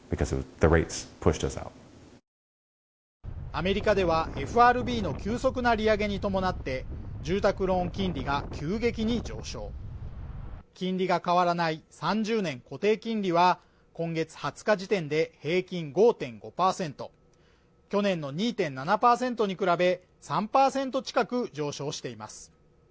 アメリカではＦＲＢの急速な利上げに伴って住宅ローン金利が急激に上昇金利が変わらない３０年固定金利は今月２０日時点で平均５．５％去年の２．７％に比べ３％近く上昇しています